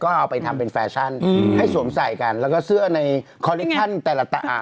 ก็เอาไปทำเป็นแฟชั่นอืมให้สวมใส่กันแล้วก็เสื้อในคอลลิคชั่นแต่ละอ่า